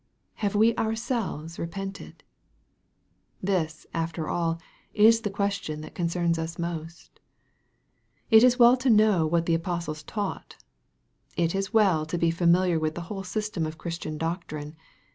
Have we ourselves repented ? This, after all, is the question that concerns us most. It is well to know what the apostles taught. It is well to be familiar with the whole system of Christian doctrine.